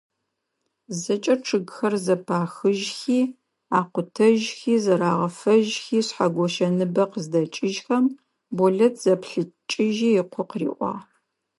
ЗэкӀэ чъыгхэр зэпахыжьхи, акъутэжьхи, зэрагъэфэжьхи, Шъхьэгощэ ныбэ къыздэкӀыжьхэм, Болэт зэплъэкӀыжьи ыкъо къыриӀуагъ.